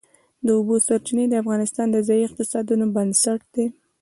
د اوبو سرچینې د افغانستان د ځایي اقتصادونو بنسټ دی.